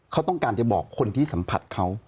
เขาต้องการจะบอกคนที่สัมผัสเขา